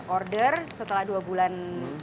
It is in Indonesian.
order setelah dua bulan